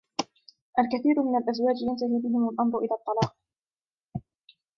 الكثير من الأزواج ينتهي بهم الأمر إلى الطلاق.